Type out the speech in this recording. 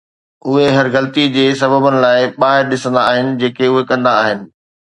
اهي هر غلطي جي سببن لاء ٻاهر ڏسندا آهن جيڪي اهي ڪندا آهن.